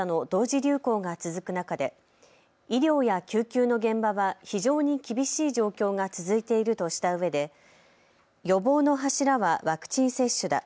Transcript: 流行が続く中で、医療や救急の現場は非常に厳しい状況が続いているとしたうえで予防の柱はワクチン接種だ。